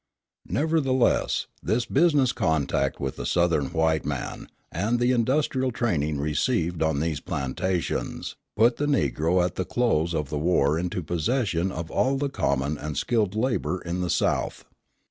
Nevertheless, this business contact with the Southern white man, and the industrial training received on these plantations, put the Negro at the close of the war into possession of all the common and skilled labour in the South.